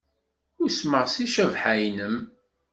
Usmeɣ seg ccbaḥa-nnem.